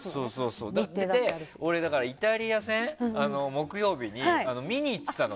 俺、イタリア戦木曜日に見に行ってたの。